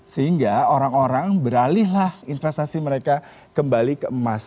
sehingga orang orang beralihlah investasi mereka kembali ke emas